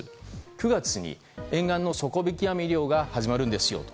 ９月に沿岸の底引き網漁が始まるんですよと。